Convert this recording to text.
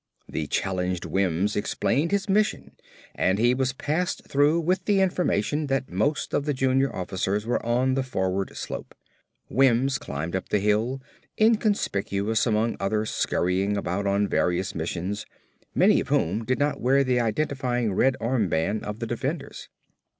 The challenged Wims explained his mission and he was passed through with the information that most of the junior officers were on the forward slope. Wims climbed up the hill, inconspicuous among others scurrying about on various missions, many of whom did not wear the identifying red armband of the defenders.